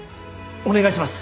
お願いします。